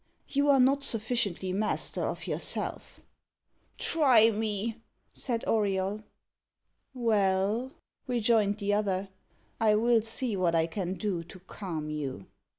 You are not sufficiently master of yourself." "Try me," said Auriol. "Well," rejoined the other, "I will see what I can do to calm you."